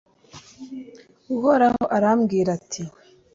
uhoraho aramubwira ati